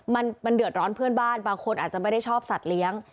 มันเดือดร้อนเพื่อนบ้านบางคนอาจจะไม่ได้ชอบสัตว์เลี้ยง